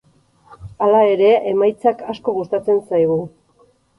Hala ere, emaitza asko gustatzen zaigu.